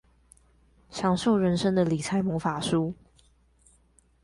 享受人生的理財魔法書